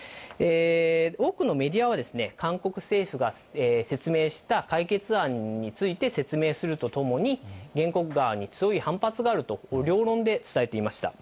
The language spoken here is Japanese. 多くのメディアはですね、韓国政府が説明した解決案について説明するとともに、原告側に強い反発があると、両論で伝えていました。